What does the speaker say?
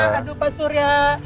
aduh pak suri